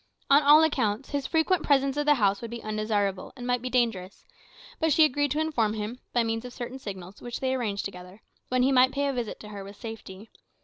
On all accounts, his frequent presence at the house would be undesirable, and might be dangerous; but she agreed to inform him, by means of certain signals (which they arranged together), when he might pay a visit to her with safety.